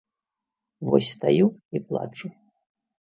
Вось стаю і плачу.